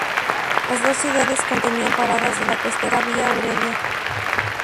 Las dos ciudades contenían paradas de la costera vía Aurelia.